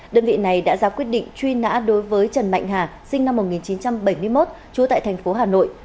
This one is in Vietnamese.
đơn vị này đã ra quyết định truy nã đối với trần mạnh hà sinh năm một nghìn chín trăm bảy mươi một trú tại thành phố hà nội